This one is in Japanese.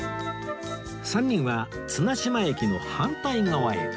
３人は綱島駅の反対側へ